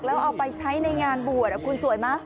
แล้วเอาไปใช้ในงานบวชคุณสวยไหม